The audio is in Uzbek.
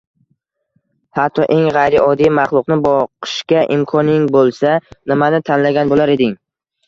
hatto eng g‘ayrioddiy maxluqni boqishga imkoning bo‘lsa, nimani tanlagan bo‘lar eding?